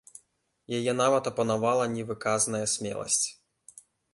Яе нават апанавала невыказная смеласць.